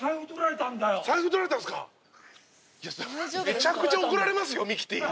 めちゃくちゃ怒られますよミキティに。